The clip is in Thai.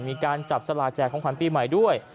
มีการจับสลากแจกของขวัญปีใหม่ด้วย